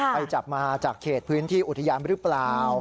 ไปจับมาจากเขตพื้นที่อุทยานหรือเปล่า